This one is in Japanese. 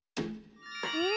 うん！